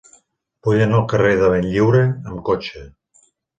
Vull anar al carrer de Benlliure amb cotxe.